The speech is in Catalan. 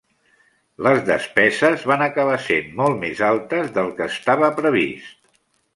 Les despeses van acabar sent molt més altes del que estava previst.